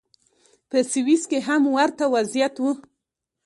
په سویس کې هم ورته وضعیت و.